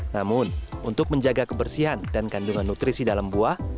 namun untuk menjaga kebersihan dan kandungan nutrisi dalam buah